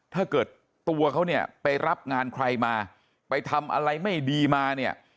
ถ้าเกิดตัวเขาเนี่ยไปรับงานใครมาไปทำอะไรไม่ดีมาเนี่ย